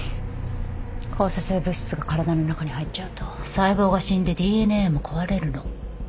放射性物質が体の中に入っちゃうと細胞が死んでＤＮＡも壊れるの。